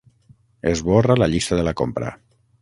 Esborra la llista de la compra.